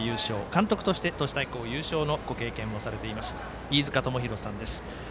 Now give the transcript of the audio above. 監督として都市対抗優勝のご経験もされています飯塚智広さんです。